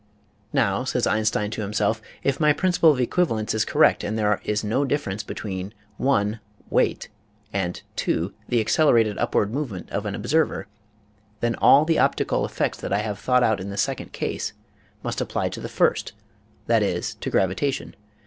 Now, says Einstein to himself, if my Principle of Equivalence is correct and there is no difference be tween (i) weight and (2) the accelerated upward movement of an observer, then all the optical effects that I have thought out in the second case must apply to the first, that is, to gravitation.